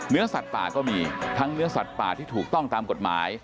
สัตว์ป่าก็มีทั้งเนื้อสัตว์ป่าที่ถูกต้องตามกฎหมาย